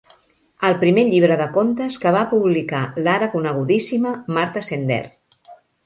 El primer llibre de contes que va publicar l'ara conegudíssima Marta Sender.